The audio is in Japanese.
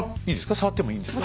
触ってもいいんですか？